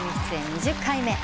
２０回目。